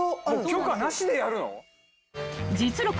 許可なしでやるの？